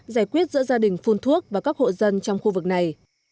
giải quyết giữa gia đình phun thuốc và các hộ dân trong khu vực này